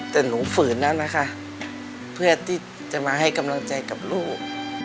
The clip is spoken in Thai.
แต่หนูฝืนนั้นนะคะเพื่อที่จะมาให้กำลังใจกับลูก